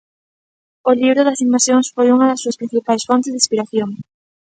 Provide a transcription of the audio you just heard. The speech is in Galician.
O Libro das Invasións foi unha das súas principais fontes de inspiración.